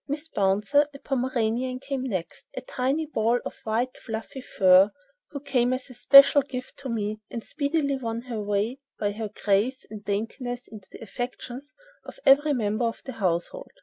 "Mrs. Bouncer," a Pomeranian, came next, a tiny ball of white fluffy fur, who came as a special gift to me, and speedily won her way by her grace and daintiness into the affections of every member of the household.